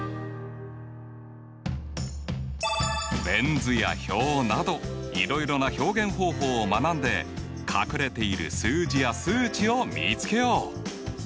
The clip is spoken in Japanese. ベン図や表などいろいろな表現方法を学んで隠れている数字や数値を見つけよう。